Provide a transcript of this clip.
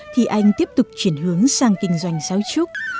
thì anh tiếp tục chuyển hướng sang kinh doanh sáo trúc